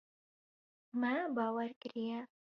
Me bawer kiriye.